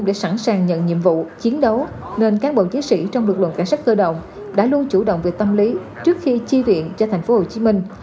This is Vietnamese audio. để sẵn sàng nhận nhiệm vụ chiến đấu nên cán bộ chiến sĩ trong lực lượng cảnh sát cơ động đã luôn chủ động về tâm lý trước khi chi viện cho thành phố hồ chí minh